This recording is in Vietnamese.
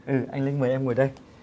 ừ anh linh mời em ngồi đây